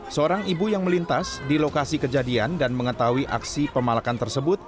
seorang ibu yang melintas di lokasi kejadian dan mengetahui aksi pemalakan tersebut